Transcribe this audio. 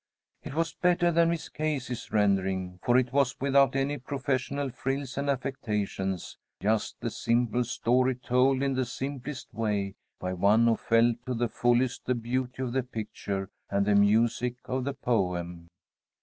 It was better than Miss Casey's rendering, for it was without any professional frills and affectations; just the simple story told in the simplest way by one who felt to the fullest the beauty of the picture and the music of the poem.